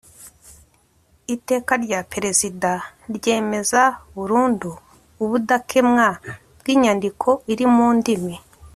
iteka rya perezida ryemeza burundu ubudakemwa bw'inyandiko iri mu ndimi